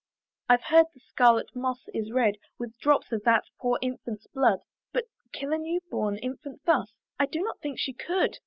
I've heard the scarlet moss is red With drops of that poor infant's blood; But kill a new born infant thus! I do not think she could.